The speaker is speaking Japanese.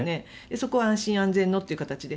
そこは安心安全のという形で。